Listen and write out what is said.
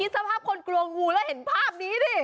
แล้วคุณคิดสภาพคนกลัวงูแล้วที่เห็นภาพนี้ดิ